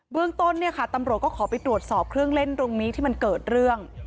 เรื่องต้นเนี่ยค่ะตำรวจก็ขอไปตรวจสอบเครื่องเล่นตรงนี้ที่มันเกิดเรื่อง